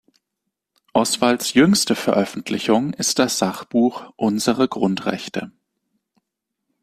Oswalds jüngste Veröffentlichung ist das Sachbuch "Unsere Grundrechte.